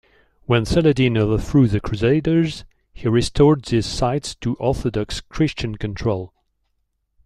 When Saladin overthrew the Crusaders, he restored these sites to Orthodox Christian control.